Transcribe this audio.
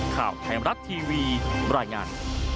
ข่าวไทยมรัฐทีวีบรรยายงาน